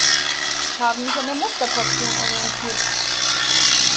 Ich habe mich an der Musterportion orientiert.